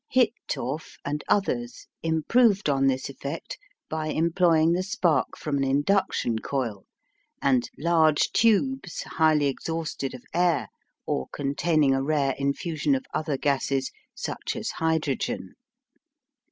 Hittorf and others improved on this effect by employing the spark from an induction coil and large tubes, highly exhausted of air, or containing a rare infusion of other gases, such as hydrogen.